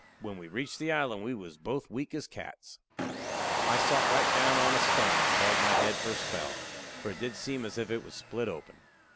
When we reached the island we was both weak as cats. I sot right down on a stun and held my head for a spell, for it did seem as if it would split open.